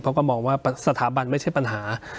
เพราะก็มองว่าสถาบันไม่ใช่ปัญหา